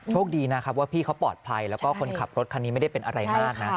โชคดีนะครับว่าพี่เขาปลอดภัยแล้วก็คนขับรถคันนี้ไม่ได้เป็นอะไรมากนะ